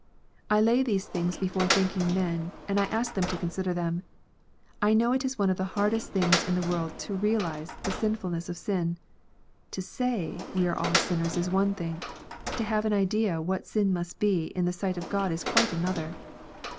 31 I lay these things before thinking men, and I ask them to consider them. I know it is one of the hardest things in the world to realize the sinfulness of sin. To say we are all sinners is one thing ; to have an idea what sin must be in the sight of God is quite another.